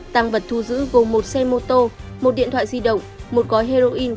tăng vật thu giữ gồm một xe mô tô một điện thoại di động một gói heroin